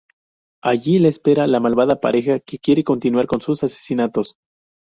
Allí les espera la malvada pareja, que quiere continuar con sus asesinatos.